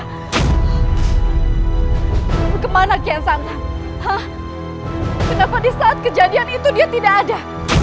kau kemana kian santang kenapa di saat kejadian itu dia tidak ada